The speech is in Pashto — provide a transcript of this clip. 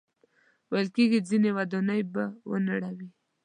ویل کېږي ځینې ودانۍ به ونړوي.